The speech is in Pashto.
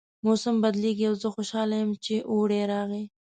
موسم بدلیږي او زه خوشحاله یم چې اوړی راغی